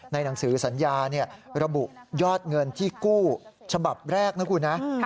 หนังสือสัญญาระบุยอดเงินที่กู้ฉบับแรกนะคุณนะ